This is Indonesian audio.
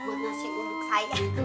buat nasi untuk saya